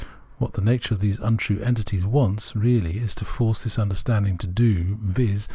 What the nature of these untrue entities wants really to force this understanding to do — viz.